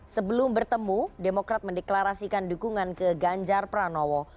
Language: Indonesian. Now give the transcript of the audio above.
sebelum bertemu demokrat mendeklarasikan dukungan ke ganjar pranowo